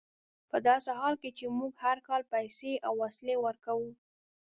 په داسې حال کې چې موږ هر کال پیسې او وسلې ورکوو.